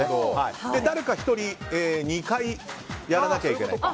誰か１人２回やらなきゃいけない。